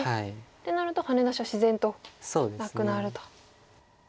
ってなるとハネ出しは自然となくなると。